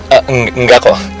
ehm enggak kok